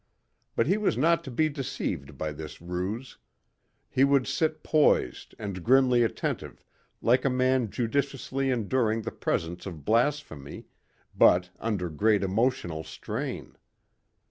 But he was not to be deceived by this ruse. He would sit poised and grimly attentive like a man judiciously enduring the presence of blasphemy but under great emotional strain.